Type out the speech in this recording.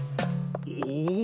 お！